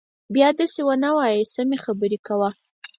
بيا دسې ونه وايي سمې خبرې کوه.